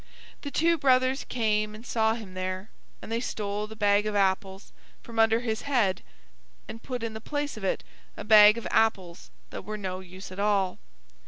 The two brothers came and saw him there, and they stole the bag of apples from under his head and put in the place of it a bag of apples that were no use at all.